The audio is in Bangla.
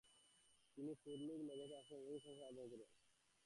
তিনি ফুর-বু-ল্চোগ আশ্রমের ব্যাপক সংস্কার সাধন করেন।